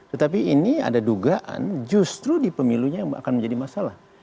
tetapi ini ada dugaan justru di pemilunya yang akan menjadi masalah